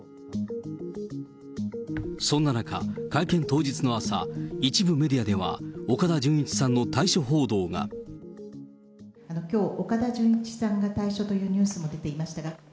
そんな中、会見当日の朝、一部メディアでは、きょう、岡田准一さんが退所というニュースも出ていましたが。